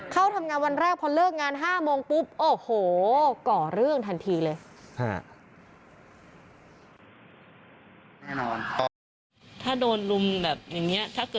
เข้าทำงานวันแรกพอเลิกงาน๕โมงปุ๊บโอ้โหก่อเรื่องทันทีเลย